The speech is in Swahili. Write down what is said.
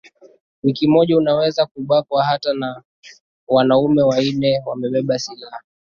wiki moja unaweza kubakwa hata na wanaume wanne wamebeba silaha